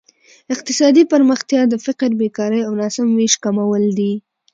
اقتصادي پرمختیا د فقر، بېکارۍ او ناسم ویش کمول دي.